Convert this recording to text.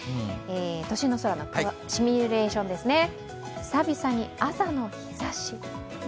都心の空のシミュレーションですね、久々に朝の日ざし。